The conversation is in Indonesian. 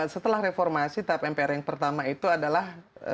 setelah reformasi tap mpr yang pertama itu adalah